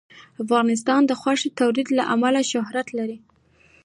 افغانستان د غوښې د تولید له امله شهرت لري.